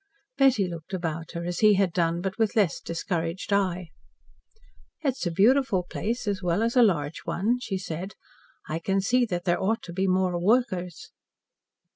Betty looked about her as he had done, but with a less discouraged eye. "It is a beautiful place, as well as a large one," she said. "I can see that there ought to be more workers."